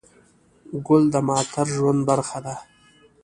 ګل د معطر ژوند برخه ده.